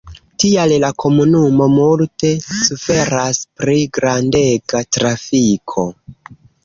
Tial la komunumo multe suferas pri grandega trafiko.